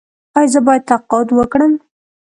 ایا زه باید تقاعد وکړم؟